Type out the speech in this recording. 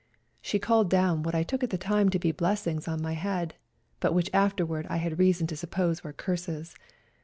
She called down what I took at the time to be blessings on my head, but which afterwards I had reason to suppose were curses.